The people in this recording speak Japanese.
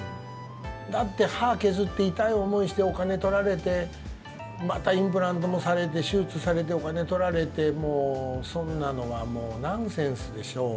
だって、歯削って痛い思いしてお金取られてまたインプラントもされて手術されて、お金取られてそんなのはナンセンスでしょう。